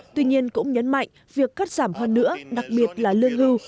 tuy nhiên cũng nhấn mạnh việc cắt giảm hơn nữa đặc biệt là lương hưu